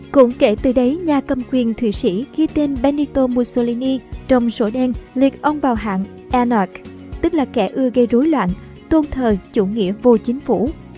cũng kể từ đấy nhà cầm quyền thụy sĩ ghi tên benito mussolini trong sổ đen liệt ông vào hạng enoch tức là kẻ ưa gây rối loạn tôn thờ chủ nghĩa vô chính phủ